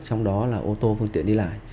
trong đó là ô tô phương tiện đi lại